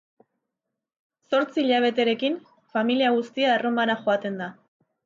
Zortzi hilabeterekin, familia guztia Erromara joaten da.